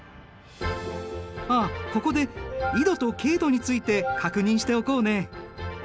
あっここで緯度と経度について確認しておこうね。